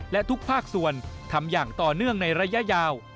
และทุกภาคส่วนทำอย่างต่อเนื่องในระยะยาว